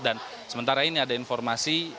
dan sementara ini ada informasi